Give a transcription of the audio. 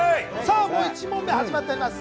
１問目始まっております。